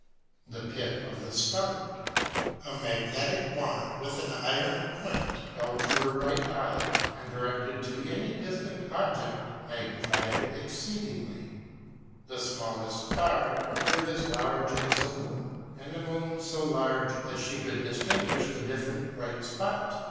THE PIT OF THE STOMACH. 77 A magnetic wand, with an iron point, held to her right eye, and directed to any distant object, magni fied it exceedingly : The smallest star appeared as large as the moon, and the moon so large, that she could distinguish the different bright spots.